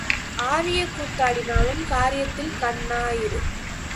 ஆரியக் கூத்தாடினாலும் காரியத்தில் கண்ணாயிரு.